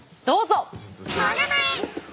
どうぞ。